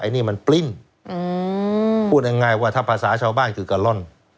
ไอ้นี่มันปลิ้นอืมพูดง่ายง่ายว่าถ้าภาษาชาวบ้านคือการร่อน